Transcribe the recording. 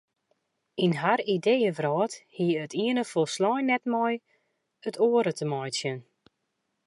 Yn har ideeëwrâld hie it iene folslein net met it oare te meitsjen.